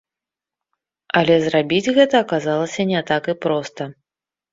Але зрабіць гэта аказалася не так і проста.